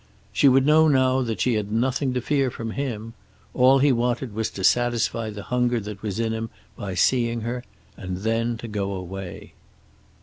She would know now that she had nothing to fear from him. All he wanted was to satisfy the hunger that was in him by seeing her, and then to go away.